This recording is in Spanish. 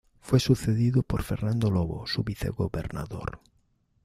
Fue sucedido por Fernando Lobo, su vicegobernador.